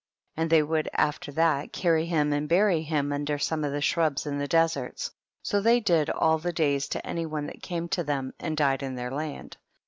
19. They would after that carry liim and burj^ him under some of the shrubs in the deserts ; so they did all the days to any one that came to them and died in their land.